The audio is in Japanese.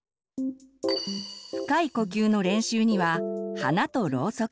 深い呼吸の練習には「花とろうそく」。